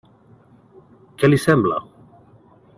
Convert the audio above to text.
Què li sembla?